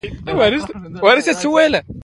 مخکې له دې چې سړک جوړ شي سروې پکار ده